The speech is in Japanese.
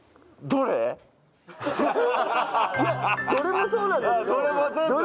どれもそうなんだけど。